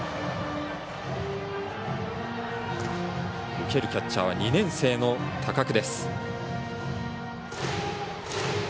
受けるキャッチャーは２年生の高久。